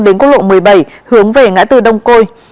đến quốc lộ một mươi bảy hướng về ngã tư đông côi